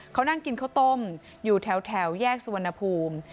เขานั่งกินข้าวต้มอยู่แถวแยกสุวรรณภูมิ